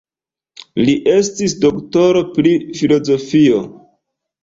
Li estis doktoro pri filozofio.